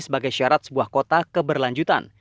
sebagai syarat sebuah kota keberlanjutan